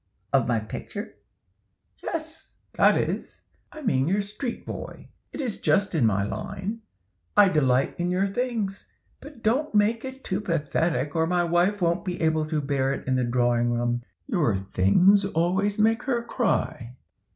"Of my picture?" "Yes, that is, I mean your street boy. It is just in my line. I delight in your things. But don't make it too pathetic, or my wife won't be able to bear it in the drawing room. Your things always make her cry."